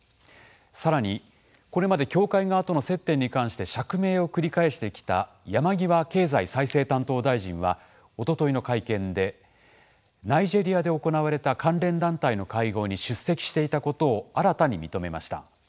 さらに、これまで教会側との接点に関して釈明を繰り返してきた山際経済再生担当大臣はおとといの会見でナイジェリアで行われた関連団体の会合に出席していたことを新たに認めました。